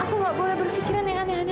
aku gak boleh berpikiran yang aneh aneh